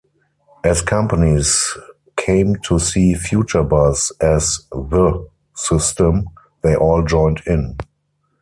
As companies came to see Futurebus as "the" system, they all joined in.